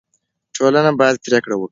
ټولنه باید پرېکړه وکړي.